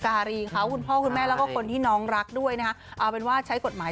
เขาเรียกว่าคุกขามคนรอบตัวเราด้วย